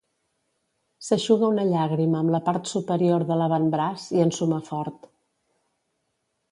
S'eixuga una llàgrima amb la part superior de l'avantbraç i ensuma fort.